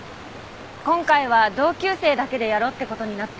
今回は同級生だけでやろうって事になって。